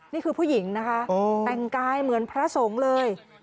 นี่คือผู้หญิงนะคะแต่งกายเหมือนพระสงฆ์เลย